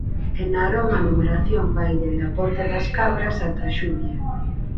En Narón a numeración vai dende a Ponte das Cabras ata Xuvia.